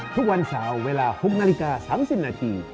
ทุกวันเสาร์เวลา๖นาฬิกา๓๐นาที